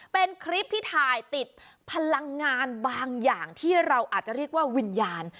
เป็นคลิปที่ถ่ายติดพลังงานบางอย่างที่เราอาจจะเรียกว่าวิญญาณ